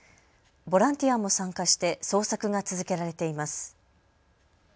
ボランティアも参加して捜索が続けられています。